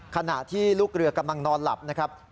ขณะที่ลูกเรือกำลังนอนหลับนะครับ